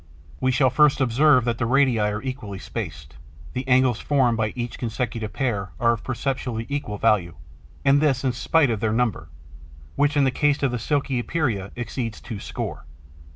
We shall first observe that the radii are equally spaced; the angles formed by each consecutive pair are of perceptibly equal value; and this in spite of their number, which in the case of the Silky Epeira exceeds two score.